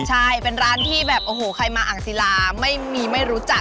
ใช่เป็นร้านที่แบบโอ้โหใครมาอ่างศิลาไม่มีไม่รู้จัก